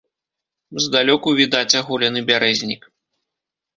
Здалёку відаць аголены бярэзнік.